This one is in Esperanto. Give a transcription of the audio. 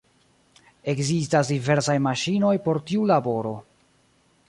Ekzistas diversaj maŝinoj por tiu laboro.